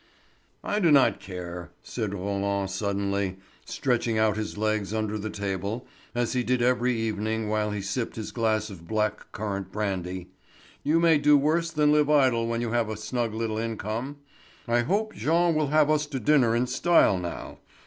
"I do not care," said Roland suddenly, stretching out his legs under the table, as he did every evening while he sipped his glass of black currant brandy. "You may do worse than live idle when you have a snug little income. I hope Jean will have us to dinner in style now.